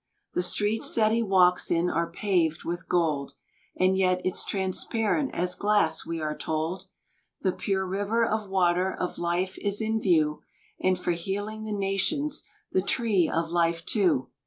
The streets that he walks in are pavëd with gold, And yet it's transparent as glass we are told; The pure river of water of life is in view, And for healing the nations, the tree of life too.